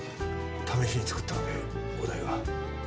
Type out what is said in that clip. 試しに作ったのでお代は。